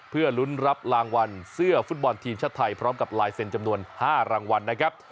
เพื่อลุ้นรับรางวัลเสื้อฟุตบอลทีมชาติไทยพร้อมกับลายเซ็นต์จำนวน๕รางวัลนะครับ